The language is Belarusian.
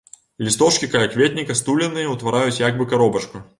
Лісточкі калякветніка стуленыя, утвараюць як бы каробачку.